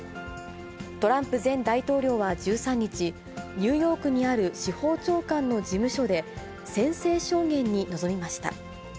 トランプ前大統領は１３日、ニューヨークにある司法長官の事務所で、宣誓証言に臨みました。